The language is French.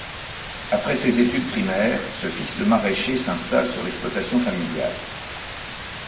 Après ses études primaires, ce fils de maraîcher s'installe sur l'exploitation familiale.